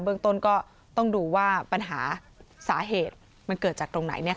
เรื่องต้นก็ต้องดูว่าปัญหาสาเหตุมันเกิดจากตรงไหน